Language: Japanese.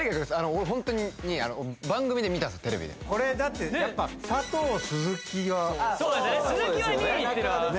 俺ホントに番組で見たんですテレビでこれだってやっぱ佐藤・鈴木はそうですよね